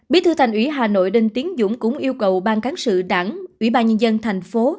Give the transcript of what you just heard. bí thư thành ủy hà nội đinh tiến dũng cũng yêu cầu ban cán sự đảng ủy ban nhân dân thành phố